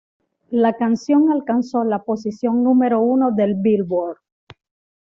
La canción alcanzó la posición número uno del "Billboard".